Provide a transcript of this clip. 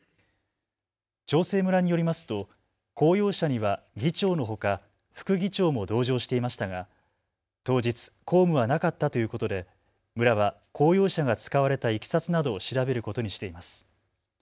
長生村によりますと公用車には議長のほか副議長も同乗していましたが当日、公務はなかったということで村は公用車が使われたいきさつなどを調べることにしています。